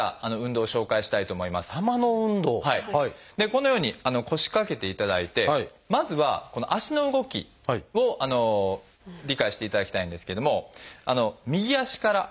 このように腰掛けていただいてまずはこの足の動きを理解していただきたいんですけども右足からですね。